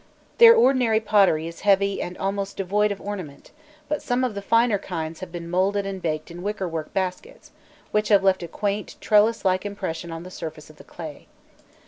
Their ordinary pottery is heavy and almost devoid of ornament, but some of the finer kinds have been moulded and baked in wickerwork baskets, which have left a quaint trellis like impression on the surface of the clay.